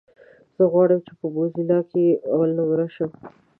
زه غواړم چې په موزيلا کې اولنومره شم.